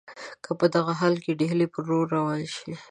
که په دغه حال کې ډهلي پر لور روان شي.